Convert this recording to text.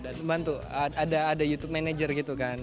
dan bantu ada youtube manager gitu kan